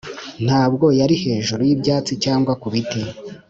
ntabwo yari hejuru y'ibyatsi, cyangwa ku giti;